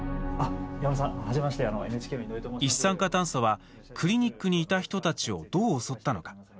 一酸化炭素は、クリニックにいた人たちをどう襲ったのか。